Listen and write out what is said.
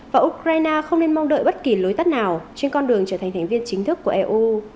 và ukraine không nên mong đợi bất kỳ lối tắt nào trên con đường trở thành thành viên chính thức của eu